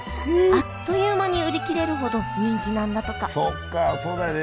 あっという間に売り切れるほど人気なんだとかそっかそうだよね